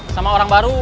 sama orang baru